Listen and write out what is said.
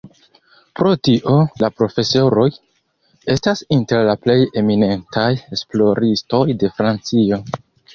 Pro tio, la profesoroj estas inter la plej eminentaj esploristoj de Francio.